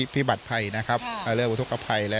บัติภัยนะครับเรื่องอุทธกภัย